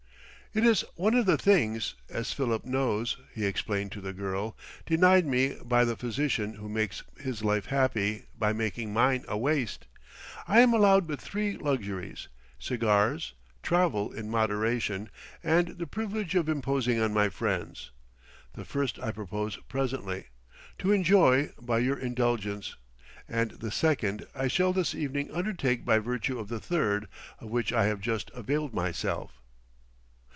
"It is one of the things, as Philip knows," he explained to the girl, "denied me by the physician who makes his life happy by making mine a waste. I am allowed but three luxuries; cigars, travel in moderation, and the privilege of imposing on my friends. The first I propose presently, to enjoy, by your indulgence; and the second I shall this evening undertake by virtue of the third, of which I have just availed myself."